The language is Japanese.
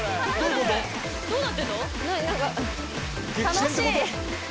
楽しい！